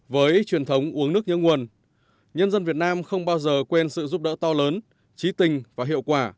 với truyền thống uống nước nhớ nguồn nhân dân việt nam không bao giờ quên sự giúp đỡ to lớn trí tình và hiệu quả